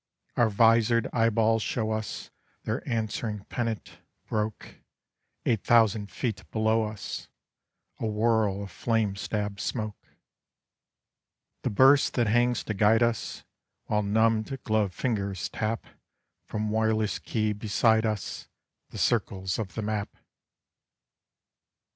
Our visored eyeballs show us their answering pennant, broke Eight thousand feet below us, a whirl of flame stabbed smoke The burst that hangs to guide us, while numbed gloved fingers tap From wireless key beside us the circles of the map.